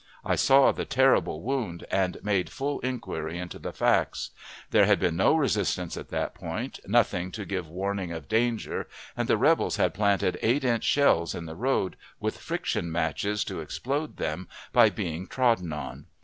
I saw the terrible wound, and made full inquiry into the facts. There had been no resistance at that point, nothing to give warning of danger, and the rebels had planted eight inch shells in the road, with friction matches to explode them by being trodden on.